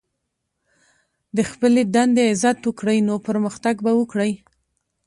د خپلي دندې عزت وکړئ، نو پرمختګ به وکړئ!